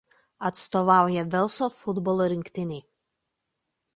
Atstovauja Velso futbolo rinktinei.